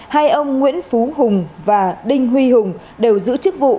hai ông nguyễn phú hùng và đinh huy hùng đều giữ chức vụ